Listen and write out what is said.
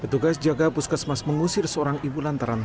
petugas jaga puskesmas mengusir seorang ibu lantaran